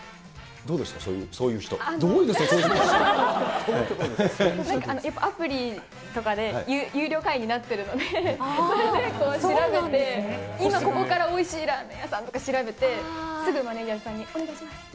どうですか、そういう人っていうなんか、アプリとかで有料会員になっているので、それで調べて、今ここからおいしいラーメン屋さんとか調べて、すぐマネージャーさんにお願いします！